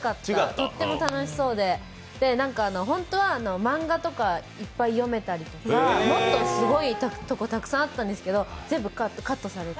とっても楽しそうで、ホントは漫画とかいっぱい読めたりとかもっとすごいところたくさんあったんですけど、全部カットされて。